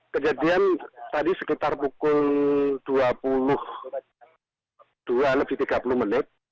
kejadian tadi sekitar pukul dua puluh dua lebih tiga puluh menit